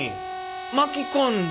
巻き込んだ